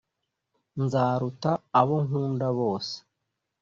nzaruta abo nkunda bose